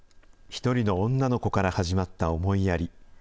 一人の女の子から始まった思いやり。